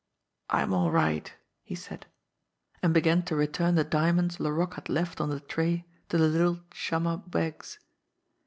"I'm all right," he said and began to return the diamonds Laroque had left on the tray to the little chamois bags.